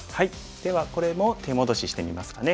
ではこれも手戻ししてみますかね。